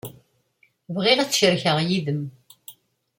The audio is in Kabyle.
Bɣiɣ ad t-cerkeɣ yid-m.